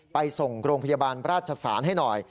ไปส่งโรงพยาบาลราชศาลให้หน่อย